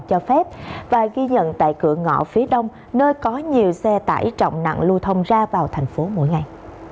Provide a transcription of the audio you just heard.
cho phép và ghi nhận tại cửa ngõ phía đông nơi có nhiều xe tải trọng nặng lưu thông ra vào thành phố mỗi ngày